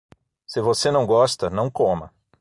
Se você não gosta, não coma.